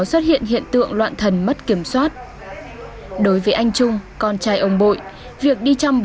xuất hiện hiện tượng loạn thần mất kiểm soát đối với anh trung con trai ông bộ việc đi chăm